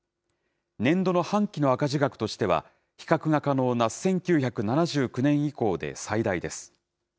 年度の半期の赤字額としては、比較が可能な１９７９年以降で最大です。